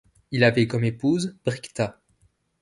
Il avait comme épouse Bricta.